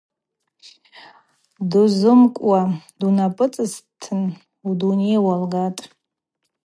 Дузымкӏуа дунапӏыцӏцӏуазтын – уыдуней уалгатӏ.